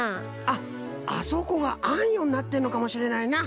あっあそこがあんよになってるのかもしれないな。